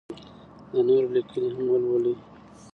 د نورو لیکنې هم ولولئ.